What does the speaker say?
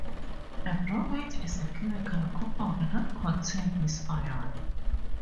A bromate is a chemical compound that contains this ion.